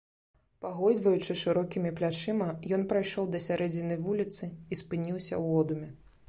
Пагойдваючы шырокімі плячыма, ён прайшоў да сярэдзіны вуліцы і спыніўся ў одуме.